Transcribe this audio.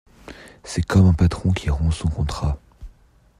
C’est comme un patron qui rompt son contrat.